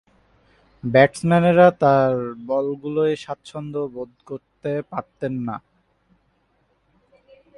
ব্যাটসম্যানেরা তার বলগুলোয় স্বাচ্ছন্দ্যবোধ করতে পারতেন না।